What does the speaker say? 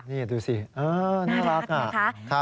นี่ดูสิน่ารักนะคะ